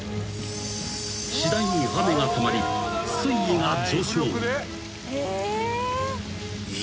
［次第に雨がたまり水位が上昇］